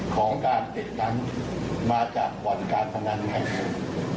ของการติดตันมาจากวันการพนันใช่ไหม